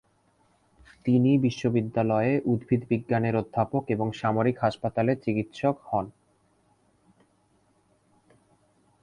তিনি বিশ্ববিদ্যালয়ে উদ্ভিদবিজ্ঞানের অধ্যাপক এবং সামরিক হাসপাতালে চিকিৎসক হন।